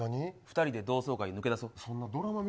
２人で同窓会、抜け出そう。